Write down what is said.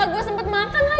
gak gue sempet makan lagi